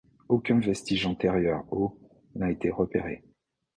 Aucun vestige antérieur au n'a été repéré.